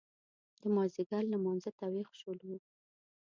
د مازیګر لمانځه ته وېښ شولو.